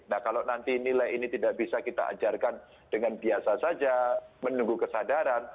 nah kalau nanti nilai ini tidak bisa kita ajarkan dengan biasa saja menunggu kesadaran